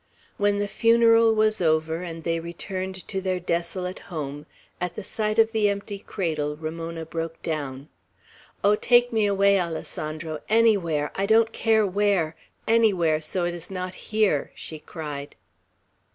When the funeral was over, and they returned to their desolate home, at the sight of the empty cradle Ramona broke down. "Oh, take me away, Alessandro! Anywhere! I don't care where! anywhere, so it is not here!" she cried.